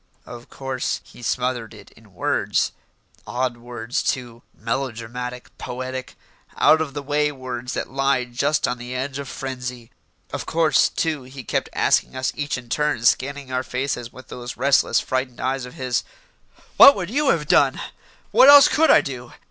Of course, he smothered it in words odd words, too melodramatic, poetic, out of the way words that lie just on the edge of frenzy. Of course, too, he kept asking us each in turn, scanning our faces with those restless, frightened eyes of his, "What would you have done?" "What else could I do?"